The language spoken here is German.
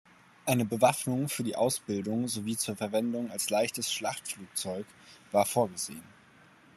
Eine Bewaffnung für die Ausbildung sowie zur Verwendung als leichtes Schlachtflugzeug war vorgesehen.